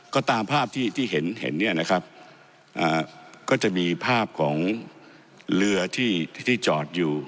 ก็ตามภาพที่ที่เห็นเห็นเนี่ยนะครับก็จะมีภาพของเรือที่ที่จอดอยู่